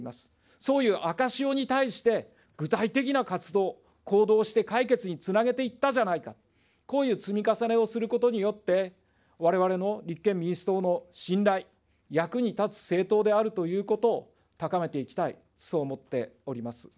そういう赤潮に対して具体的な活動、行動をして、解決につなげていったじゃないか、こういう積み重ねをすることによって、われわれの立憲民主党の信頼、役に立つ政党であるということを高めていきたい、そう思っております。